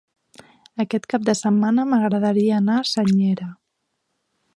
Aquest cap de setmana m'agradaria anar a Senyera.